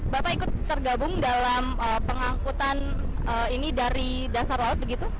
bapak ikut tergabung dalam pengangkutan ini dari dasar laut begitu